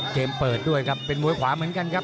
เกมเปิดด้วยครับเป็นมวยขวาเหมือนกันครับ